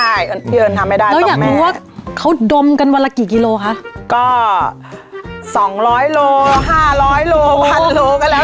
ใช่พี่เอิญทำไม่ได้ก็อยากรู้ว่าเขาดมกันวันละกี่กิโลคะก็สองร้อยโลห้าร้อยโลพันโลก็แล้ว